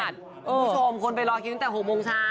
คุณผู้ชมคนไปรอคิวตั้งแต่๖โมงเช้า